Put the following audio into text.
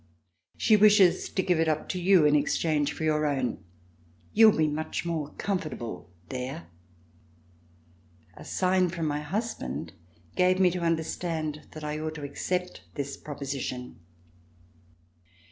She wishes to give it up to you in exchange for your own. You will be much more comfortable there." A sign from my husband gave me to understand that I ought to accept this proposition.